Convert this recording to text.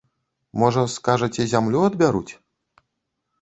Можа, скажаце, зямлю адбяруць?